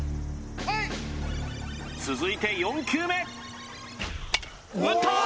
プレイ続いて４球目打ったー！